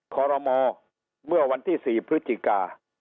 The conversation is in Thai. ขอรมอเมื่อวันที่๔พฤศจิกา